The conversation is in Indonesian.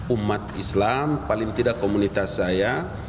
umat islam paling tidak komunitas saya